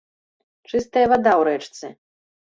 Чыстая вада ў рэчцы.